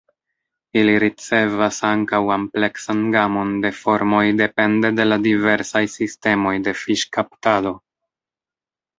Ili ricevas ankaŭ ampleksan gamon de formoj depende de la diversaj sistemoj de fiŝkaptado.